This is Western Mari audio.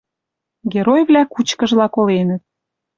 Геройвлӓ кучкыжла коленӹт